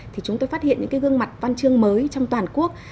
thì chúng tôi phát hiện những cái gương mặt văn chương mới trong toàn quốc